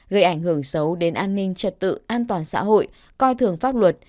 gây ảnh hưởng xấu đến an ninh trật tự an toàn xã hội coi thường pháp luật